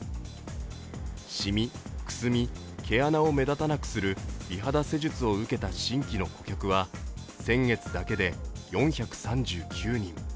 しみ、くすみ、毛穴を目立たなくする美肌施術を受けた新規の顧客は先月だけで４３９人。